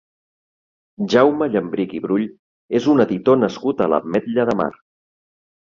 Jaume Llambrich i Brull és un editor nascut a l'Ametlla de Mar.